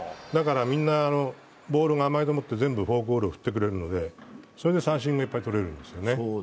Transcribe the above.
みんなボールが甘いと思ってフォークボールを振ってくれるので、それで三振が取れるんですね。